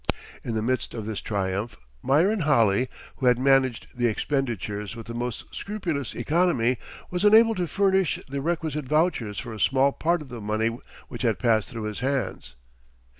In the midst of this triumph, Myron Holley, who had managed the expenditures with the most scrupulous economy, was unable to furnish the requisite vouchers for a small part of the money which had passed through his hands.